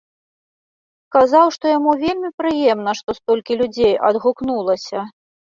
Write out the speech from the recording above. Сказаў, што яму вельмі прыемна, што столькі людзей адгукнулася.